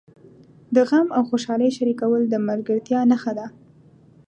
د غم او خوشالۍ شریکول د ملګرتیا نښه ده.